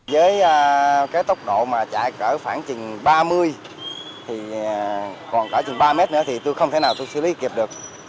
với cái tốc độ mà chạy cỡ khoảng chừng ba mươi thì còn cả chừng ba mét nữa thì tôi không thể nào tôi xử lý kịp được